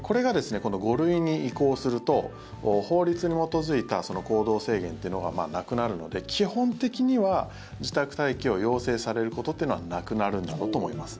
この５類に移行すると法律に基づいた行動制限っていうのがなくなるので基本的には自宅待機を要請されることってのはなくなるんだろうと思います。